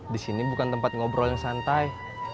di sini bukan tempat ngobrol yang santai